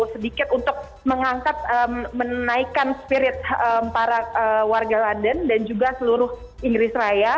sedikit untuk mengangkat menaikkan spirit para warga london dan juga seluruh inggris raya